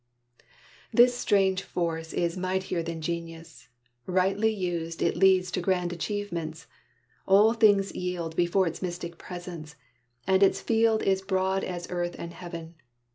This strange force Is mightier than genius. Rightly used, It leads to grand achievements; all things yield Before its mystic presence, and its field Is broad as earth and heaven.